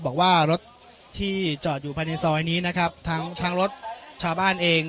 บอกว่ารถที่จอดอยู่ภายในซอยนี้นะครับทั้งรถชาวบ้านเอง